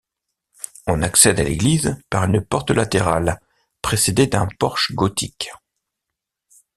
On accède à l'église par une porte latérale précédée d'un porche gothique.